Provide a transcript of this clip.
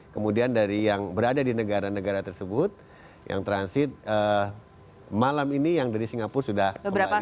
kemudian dari yang berada di negara negara tersebut yang transit malam ini yang dari singapura sudah kembali